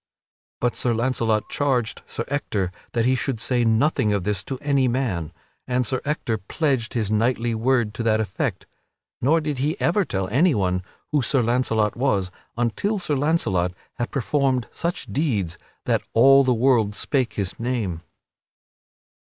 But Sir Launcelot charged Sir Ector that he should say nothing of this to any man; and Sir Ector pledged his knightly word to that effect. (Nor did he ever tell anyone who Sir Launcelot was until Sir Launcelot had performed such deeds that all the world spake his name.)